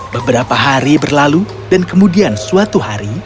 beberapa hari berlalu dan kemudian suatu hari